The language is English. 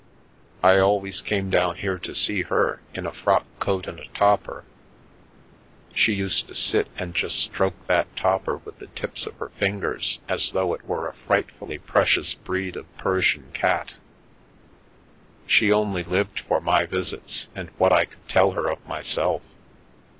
I always came down here to see her in a frock coat and a topper. She used to sit and just stroke that topper with the tips of her fingers as though it were a frightfully precious breed of Persian cat. She only lived for my visits and what I could tell her of myself.